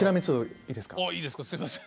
ああいいですかすいません。